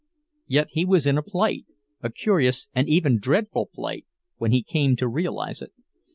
Yet he was in a plight—a curious and even dreadful plight, when he came to realize it.